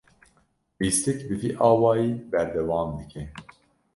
Lîstik bi vî awayî berdewam dike.